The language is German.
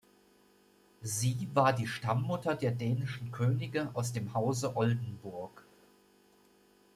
Sie war die Stammmutter der dänischen Könige aus dem Hause Oldenburg.